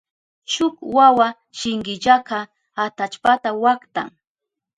Shuk wawa shunkillaka atallpata waktan.